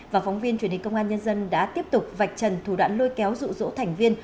và phóng viên truyền hình công an nhân dân đã tiếp tục vạch trần thủ đoạn lôi kéo rụ rỗ thành viên